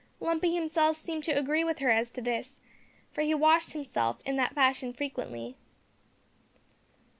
Lumpy himself seemed to agree with her as to this, for he washed himself in that fashion frequently.